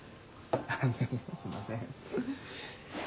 すいません。